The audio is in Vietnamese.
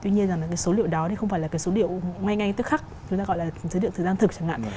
tuy nhiên là cái số liệu đó thì không phải là cái số liệu ngay ngay tức khắc chúng ta gọi là số liệu thời gian thực chẳng hạn